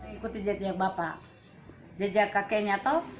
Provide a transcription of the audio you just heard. ikuti jejak bapak jejak kakenya tau